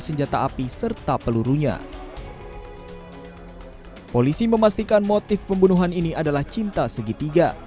senjata api serta pelurunya polisi memastikan motif pembunuhan ini adalah cinta segitiga